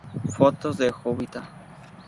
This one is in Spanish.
Fotos de Jovita